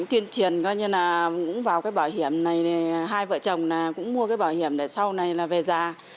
tuyên truyền gọi như là cũng vào cái bảo hiểm này hai vợ chồng cũng mua cái bảo hiểm để sau này là về già